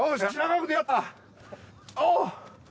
おっ！